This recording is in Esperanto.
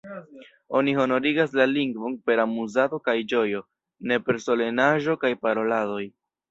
Oni honorigas la lingvon per amuzado kaj ĝojo, ne per solenaĵo kaj paroladoj.